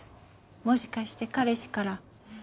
もしかして彼氏から？